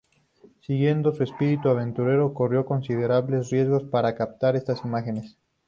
Siguiendo su espíritu aventurero, corrió considerables riesgos para captar estas imágenes.